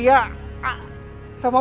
i don't loving you